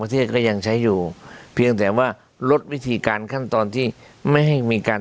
ก็ยังใช้อยู่เพียงแต่ว่าลดวิธีการขั้นตอนที่ไม่ให้มีการ